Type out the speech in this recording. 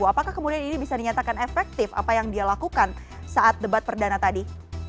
apakah kemudian ini bisa dinyatakan efektif apa yang dia lakukan saat debat perdana tadi